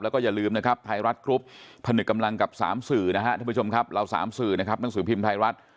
แล้วก็อย่าลืมนะครับไทรัตกรุ๊ปพนึกกำลังกับสามสื่อนะครับ